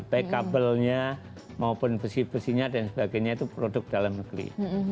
baik kabelnya maupun besi besinya dan sebagainya itu produk dalam negeri